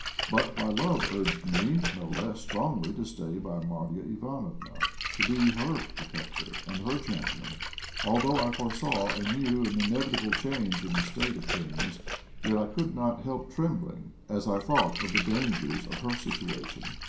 But my love urged me no less strongly to stay by Marya Ivánofna, to be her protector and her champion. Although I foresaw a new and inevitable change in the state of things, yet I could not help trembling as I thought of the dangers of her situation.